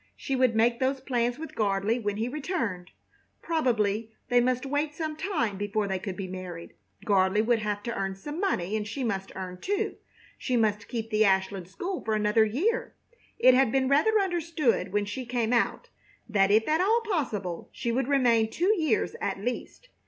She would make those plans with Gardley when he returned. Probably they must wait some time before they could be married. Gardley would have to earn some money, and she must earn, too. She must keep the Ashland School for another year. It had been rather understood, when she came out, that if at all possible she would remain two years at least.